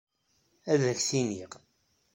Ad ak-t-iniɣ.